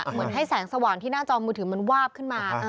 เหมือนให้แสงสว่างที่หน้าจอมือถือมันวาบขึ้นมา